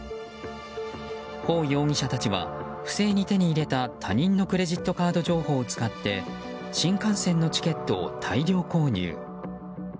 ホウ容疑者たちは不正に手に入れた他人のクレジットカード情報を使って新幹線のチケットを大量購入。